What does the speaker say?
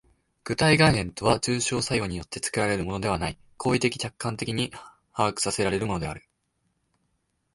具体概念とは抽象作用によって作られるのではない、行為的直観的に把握せられるのである。